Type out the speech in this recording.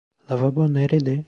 Lavabo nerede?